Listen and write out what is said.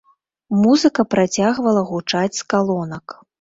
Музыка працягвала гучаць з калонак.